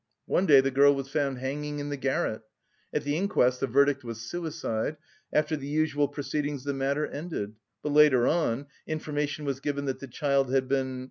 One day the girl was found hanging in the garret. At the inquest the verdict was suicide. After the usual proceedings the matter ended, but, later on, information was given that the child had been...